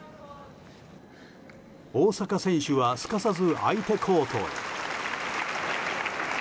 大坂選手はすかさず相手コートへ。